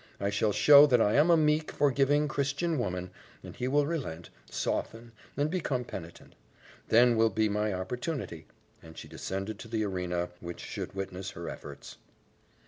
I shall show that I am a meek, forgiving Christian woman, and he will relent, soften, and become penitent. Then will be my opportunity," and she descended to the arena which should witness her efforts.